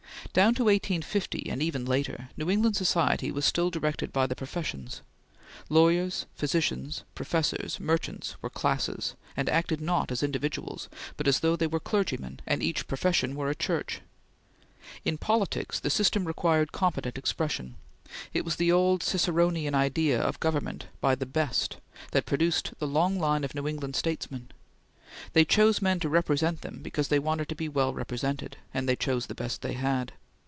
Down to 1850, and even later, New England society was still directed by the professions. Lawyers, physicians, professors, merchants were classes, and acted not as individuals, but as though they were clergymen and each profession were a church. In politics the system required competent expression; it was the old Ciceronian idea of government by the best that produced the long line of New England statesmen. They chose men to represent them because they wanted to be well represented, and they chose the best they had.